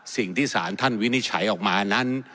สิ่งที่ศาลท่านวินิจฉัยออกมานั้น